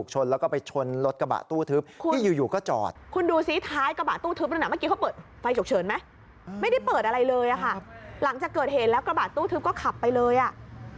หลังจากเกิดเหตุแล้วกระบะตู้ทึบก็ขับไปเลยอ่ะ